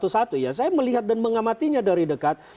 saya melihat dan mengamatinya dari dekat